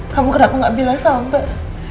kamu kenapa gak bilang sama mbak